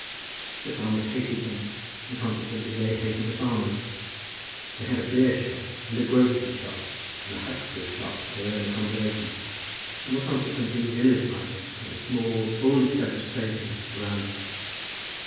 The farmers hated them, and consequently they hated the farmers. They had a beershop, and a grocer's shop, and a huxter's shop for their own accommodation, and were consequently vilified by the small old established tradesmen around them.